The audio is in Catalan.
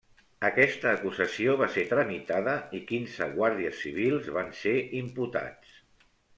Aquesta acusació va ser tramitada i quinze guàrdies civils van ser imputats.